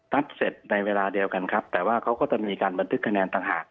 เสร็จในเวลาเดียวกันครับแต่ว่าเขาก็จะมีการบันทึกคะแนนต่างหาก